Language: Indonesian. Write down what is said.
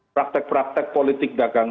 praktek praktek politik dagang